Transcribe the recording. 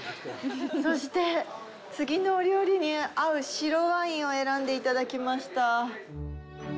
そして、次のお料理に合う白ワインを選んでいただきました。